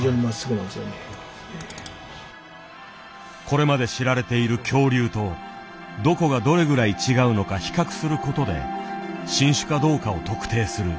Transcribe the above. これまで知られている恐竜とどこがどれぐらい違うのか比較する事で新種かどうかを特定する。